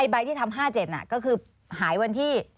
ใบที่ทำ๕๗ก็คือหายวันที่